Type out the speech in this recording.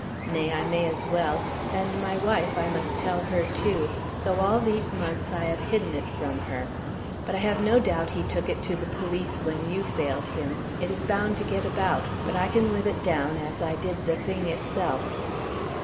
Nay, I may as well; and my wife, I must tell her too, though all these months I have hidden it from her; but I have no doubt he took it to the police when you failed him. It is bound to get about, but I can live it down as I did the thing itself.